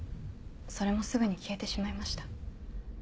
それもすぐに消えてしまいました。